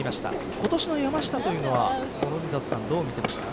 今年の山下というのは諸見里さんどう見ていますか。